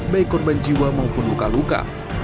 baik korban jiwa maupun luka luka